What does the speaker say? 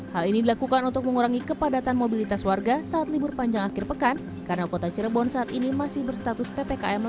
hal ini dilakukan untuk mengurangi kepadatan mobilitas warga saat libur panjang akhir pekan karena kota cirebon saat ini masih berstatus ppkm level tiga